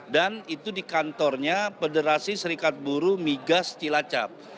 dan itu di kantornya pederasi serikat buruh migas cilacap